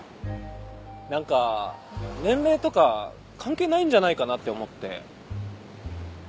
何か年齢とか関係ないんじゃないかなって思って。